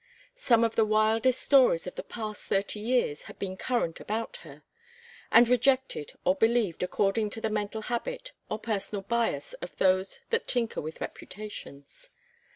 Some of the wildest stories of the past thirty years had been current about her, and rejected or believed according to the mental habit or personal bias of those that tinker with reputations.